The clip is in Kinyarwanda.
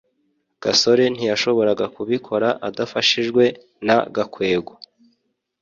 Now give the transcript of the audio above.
gasore ntiyashoboraga kubikora adafashijwe na gakwego